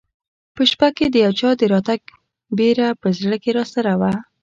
په شپه کې د یو چا د راتګ بېره په زړه کې راسره وه.